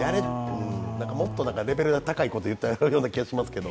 もっとレベルが高いこと言っているような気がしますけど。